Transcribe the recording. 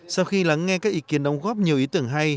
sau khi lắng nghe các ý kiến đóng góp nhiều ý tưởng hay